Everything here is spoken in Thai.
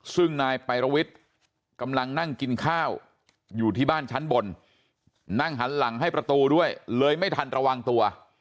ซึ่งนายปายระวิทย์กำลังนั่งกินข้าวอยู่ที่บ้านชั้นบนนั่งหันหลังให้ประตูด้วยเลยไม่ทันระวังตัว